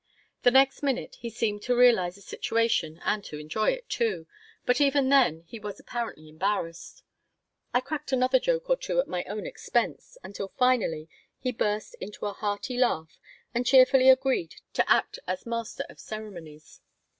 The next minute he seemed to realize the situation and to enjoy it, too, but even then he was apparently embarrassed. I cracked another joke or two at my own expense, until finally he burst into a hearty laugh and cheerfully agreed to act as master of ceremonies.